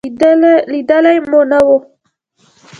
لېدلې مو نه وه.